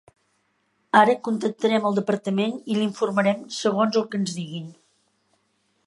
Ara contactarem al departament i l'informarem segons el que ens diguin.